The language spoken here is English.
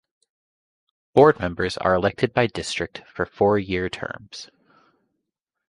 Board members are elected by district for four-year terms.